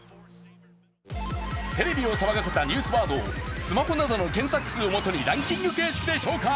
テレビを騒がせたニュースワードをスマホや携帯などの検索数をもとにランキング形式で紹介